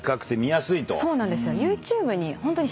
そうなんですよ。